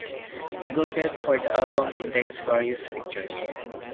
The booklet for the album contains various pictures.